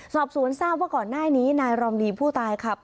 สอบสวนทราบว่าก่อนหน้านี้นายรอมดีผู้ตายขับ